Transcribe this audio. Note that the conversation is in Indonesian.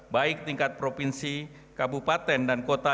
baik tingkat provinsi kabupaten dan kota